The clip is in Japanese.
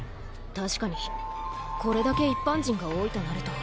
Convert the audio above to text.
確かにこれだけ一般人が多いとなると。